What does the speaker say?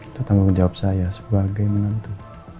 itu tanggung jawab saya sebagai menantu